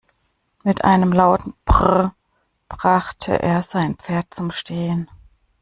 Mit einem lauten "Brrr!" brachte er sein Pferd zum Stehen.